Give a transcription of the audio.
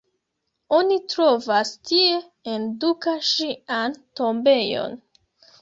Oni trovas tie, en Duka ŝian tombejon.